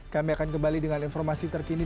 kami akan kembali dengan informasi terkini